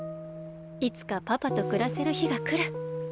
いつかパパとくらせるひがくる。